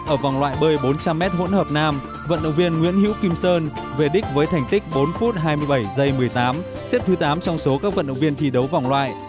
ở vòng loại bơi bốn trăm linh m hỗn hợp nam vận động viên nguyễn hữu kim sơn về đích với thành tích bốn phút hai mươi bảy một mươi tám xếp thứ tám trong số các vận động viên thi đấu vòng loại